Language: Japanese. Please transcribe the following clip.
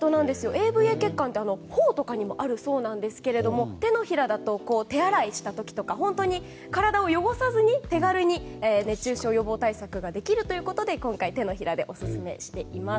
ＡＶＡ血管というのはほほにもあるということですが手のひらだと、手洗いした時に体を汚さずに熱中症予防対策ができるということで今回、手のひらでオススメしています。